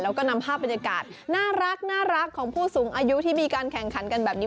แล้วก็นำภาพบรรยากาศน่ารักของผู้สูงอายุที่มีการแข่งขันกันแบบนี้